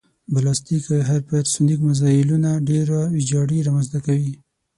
بلاستیک او هیپرسونیک مزایلونه ډېره ویجاړي رامنځته کوي